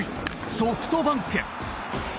ソフトバンク。